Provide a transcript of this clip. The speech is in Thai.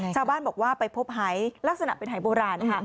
ชาวบ้านบอกว่าไปพบหายลักษณะเป็นหายโบราณค่ะ